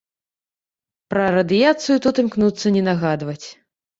Пра радыяцыю тут імкнуцца не нагадваць.